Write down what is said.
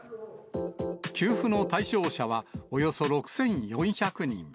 給付の対象者は、およそ６４００人。